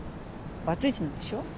バツイチなんでしょ？